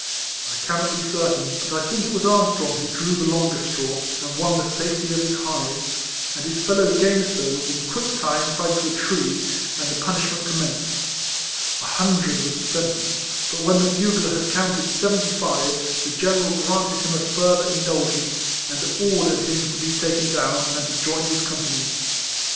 I cannot be quite certain, but I think it was Armstrong who drew the longest straw, and won the safety of his hide; and his fellow gamester was in quick time tied to a tree? and the punishment commenced. A hun dred was the sentence ; but when the bugler had counted seventy five, the general granted him a further indulgence, and ordered him to be taken down, and to join his company.